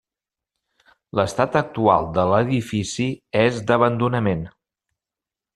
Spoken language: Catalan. L’estat actual de l’edifici és d'abandonament.